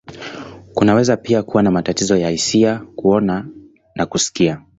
Kunaweza pia kuwa na matatizo ya hisia, kuona, na kusikia.